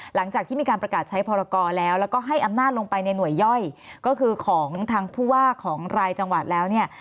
หลังจากที่มีการประกาศใช้พรกรแล้วแล้วก็ให้อำนาจลงไปในหน่วยย่อยก็คือของทางผู้ว่าของรายจังหวัดแล้วเนี่ย